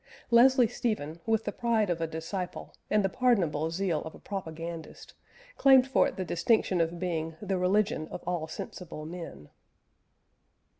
Leslie Stephen, with the pride of a disciple and the pardonable zeal of a propagandist, claimed for it the distinction of being "the religion of all sensible men."